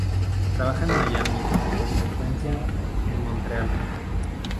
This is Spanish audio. Trabaja en Miami y con frecuencia, en Montreal.